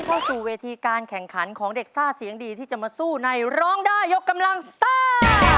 เข้าสู่เวทีการแข่งขันของเด็กซ่าเสียงดีที่จะมาสู้ในร้องได้ยกกำลังซ่า